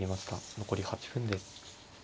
残り８分です。